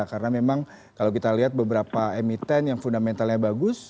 karena memang kalau kita lihat beberapa emiten yang fundamentalnya bagus